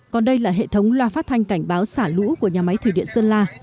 còn đây là hệ thống loa phát thanh cảnh báo xả lũ của nhà máy thủy điện sơn la